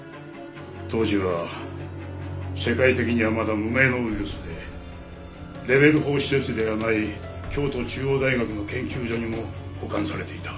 当時は世界的にはまだ無名のウイルスでレベル４施設ではない京都中央大学の研究所にも保管されていた。